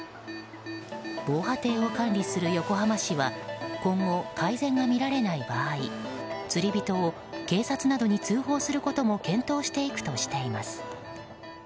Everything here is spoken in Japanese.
防波堤を管理する横浜市は今後、改善が見られない場合釣り人を警察などに通報することも検討していくとしています。